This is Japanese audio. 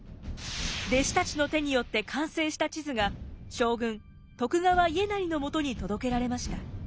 弟子たちの手によって完成した地図が将軍徳川家斉のもとに届けられました。